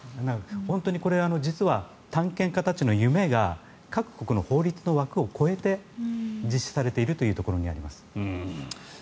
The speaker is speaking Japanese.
本当にこれ、実は探検家たちの夢が各国の法律の枠を超えて実施されているところにあります。